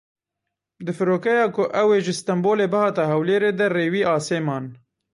Di firokeya ku ew ê ji Stenbolê bihata Hewlêrê de rêwî asê man.